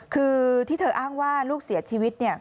คือที่เธออ้างว่าลูกเสียชีวิตเนี่ย